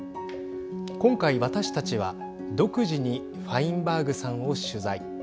今回、私たちは独自にファインバーグさんを取材。